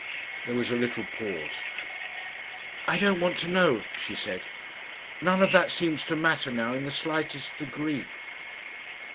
There was a little pause. "I don't want to know," she said. "None of that seems to matter now in the slightest degree."